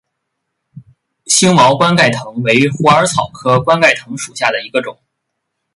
星毛冠盖藤为虎耳草科冠盖藤属下的一个种。